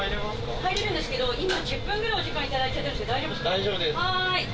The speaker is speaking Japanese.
入れるんですけど、今１０分ぐらいお時間頂いてるんで、大丈夫です。